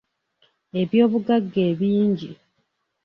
Ebyobugagga ebingi.